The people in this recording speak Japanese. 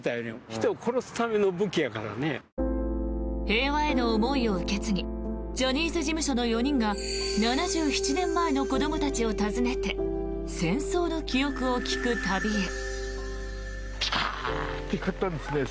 平和への思いを受け継ぎジャニーズ事務所の４人が７７年前の子どもたちを訪ねて戦争の記憶を聞く旅へ。